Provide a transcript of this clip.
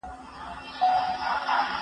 چي پر مځکه به را ولوېږې له پاسه